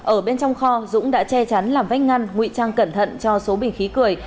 ở bên trong kho dũng đã che chắn làm vách ngăn ngụy trang cẩn thận cho số bình khí cười